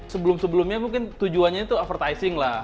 sebelum sebelumnya mungkin tujuannya itu advertising lah